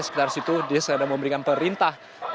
sekitar situ dia sudah memberikan perintah